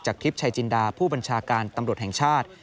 ทริปชายจินดาผู้บัญชาการตำรวจแห่งชาติ